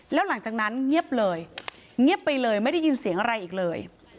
แล้วหลังจากนั้นเงียบเลยเงียบไปเลยไม่ได้ยินเสียงอะไรอีกเลย